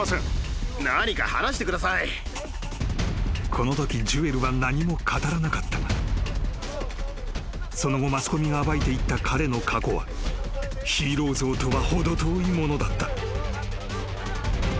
［このときジュエルは何も語らなかったがその後マスコミが暴いていった彼の過去はヒーロー像とは程遠いものだった］